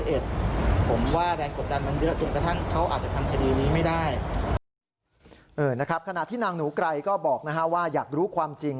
เออนะครับขณะที่นางหนูไกรก็บอกนะฮะว่าอยากรู้ความจริง